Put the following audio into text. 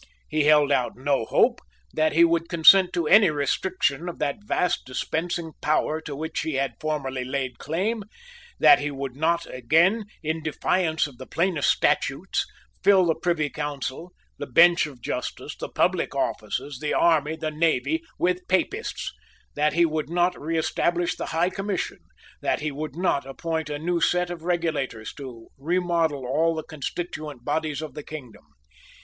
He held out no hope that he would consent to any restriction of that vast dispensing power to which he had formerly laid claim, that he would not again, in defiance of the plainest statutes, fill the Privy Council, the bench of justice, the public offices, the army, the navy, with Papists, that he would not reestablish the High Commission, that he would not appoint a new set of regulators to remodel all the constituent bodies of the kingdom.